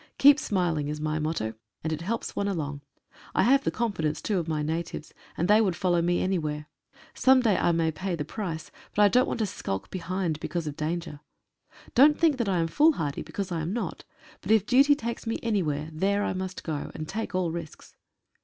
"Keep smiling" is my motto, and it helps one along. I have the confidence too of my natives, and they would follow me anywhere. Some day I may pay the price, but I don't want to skulk behind because of danger. Don't think that I am foolhardy, because I am not, but if duty takes me anywhere, there I must go, and take all risks.